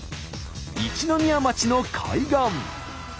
一宮町の海岸。